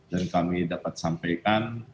dan kami dapat sampaikan